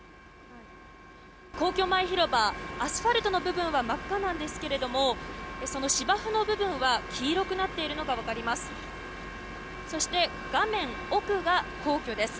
皇居前広場アスファルトの部分は真っ赤なんですけどもその芝生の部分は黄色くなっているのが分かります。